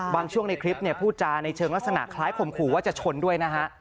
ช่วงในคลิปเนี่ยพูดจาในเชิงลักษณะคล้ายข่มขู่ว่าจะชนด้วยนะฮะ